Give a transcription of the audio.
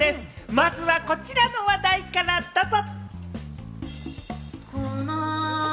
まずはこちらの話題から、どうぞ！